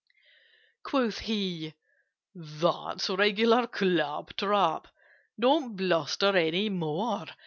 Quoth he "That's regular clap trap: Don't bluster any more.